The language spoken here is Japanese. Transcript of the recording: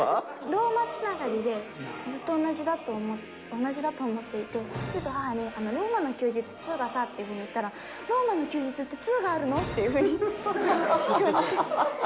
ローマつながりで、ずっと同じだと思っていて、父と母に、ローマの休日２がさっていうふうに言ったら、ローマの休日って、２があるの？っていうふうに。